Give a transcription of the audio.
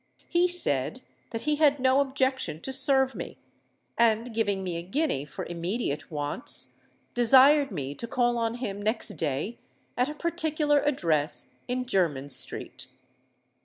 He said that he had no objection to serve me; and, giving me a guinea for immediate wants, desired me to call on him next day at a particular address in Jermyn Street.